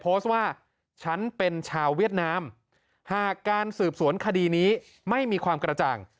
โพสต์ว่าฉันเป็นชาวเวียดนามหากการสืบสวนคดีนี้ไม่มีความกระจ่าง